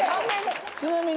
ちなみに。